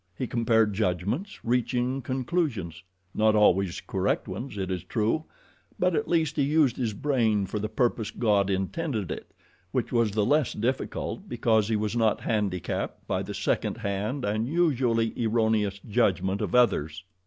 He compared judgments, reaching conclusions not always correct ones, it is true, but at least he used his brain for the purpose God intended it, which was the less difficult because he was not handicapped by the second hand, and usually erroneous, judgment of others.